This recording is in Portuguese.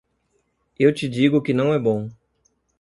Eu te digo que não é bom.